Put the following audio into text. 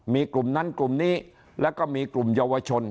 มีกลุ่มนั้นกลุ่มนี้แล้วก็มีกลุ่มเยาวชน